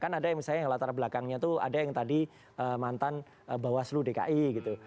kan ada yang misalnya yang latar belakangnya tuh ada yang tadi mantan bawaslu dki gitu